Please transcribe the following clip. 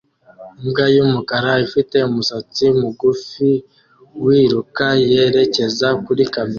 Imbwa yumukara ifite umusatsi mugufi wiruka yerekeza kuri kamera